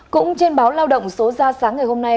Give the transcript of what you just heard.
cũng trên báo lao động số ra sáng ngày hôm nay